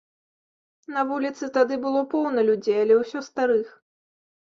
На вуліцы тады было поўна людзей, але ўсё старых.